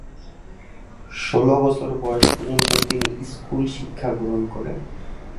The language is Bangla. ষোল বছর বয়স পর্যন্ত তিনি স্কুল শিক্ষা গ্রহণ করেন।